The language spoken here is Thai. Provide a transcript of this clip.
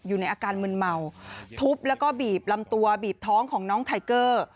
อยู่ในอาการมืนเมาทุบแล้วก็บีบลำตัวบีบท้องของน้องไทเกอร์